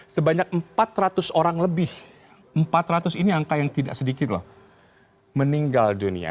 sebanyak empat ratus orang lebih empat ratus ini angka yang tidak sedikit loh meninggal dunia